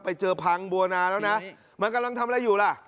พังบัวนาแล้วนะมันกำลังทำอะไรอยู่ล่ะ